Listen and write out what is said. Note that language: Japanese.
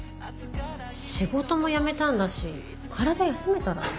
仕事も辞めたんだし体休めたら？